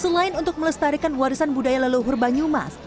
selain untuk melestarikan warisan budaya lalu hurbanyumas